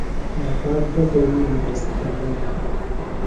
آفاق گہ ٹیمی مدرسہ تھےۡ بِیانوۡ؟